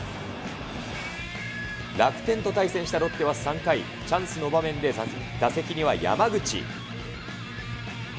楽天と対戦したロッテは３回、チャンスの場面で、打席には山口。